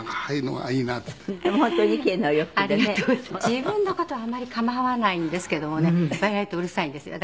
「自分の事はあんまり構わないんですけどもね割合とうるさいんですよ